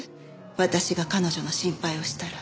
私が彼女の心配をしたら。